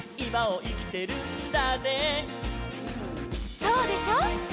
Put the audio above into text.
「そうでしょ？」